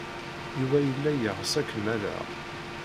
Yuba yella yeɣs ad kem-alleɣ.